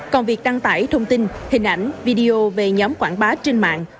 còn việc đăng tải thông tin hình ảnh video về nhóm quảng bá trên mạng